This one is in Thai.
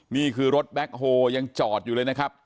นี่คือรถแบ็คโฮยังจอดอยู่เลยนะครับ